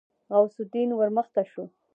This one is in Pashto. غوث الدين ورمخته شو.